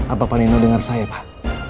apa pak nino dengar saya pak